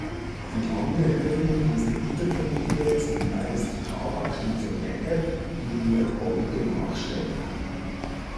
Die Angehörigen dieser Überfamilie sind meist tagaktive Jäger, die ihrer Beute nachstellen.